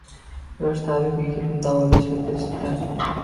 Yosh tabib yigitni davolashga kirishibdi